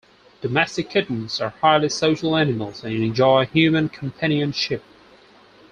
Domestic kittens are highly social animals and enjoy human companionship.